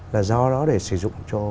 là do đó để sử dụng cho